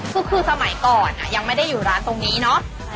ก็คือสมัยก่อนยังไม่ได้อยู่ร้านตรงนี้เนาะ